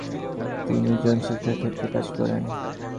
তিনি জন শিক্ষা ক্ষেত্রে কাজ করেন।